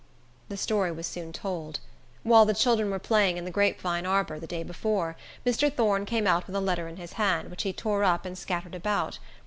The story was soon told. While the children were playing in the grape vine arbor, the day before, Mr. Thorne came out with a letter in his hand, which he tore up and scattered about.